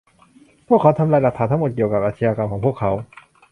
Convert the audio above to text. พวกเขาทำลายหลักฐานทั้งหมดเกี่ยวกับอาชญากรรมของพวกเขา